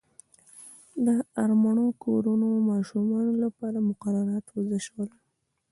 د اړمنو کورنیو ماشومانو لپاره مقررات وضع شول.